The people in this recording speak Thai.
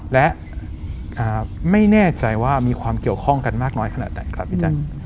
และไม่แน่ใจว่ามีความเกี่ยวข้องกันมากน้อยขนาดไหนครับพี่แจ๊ค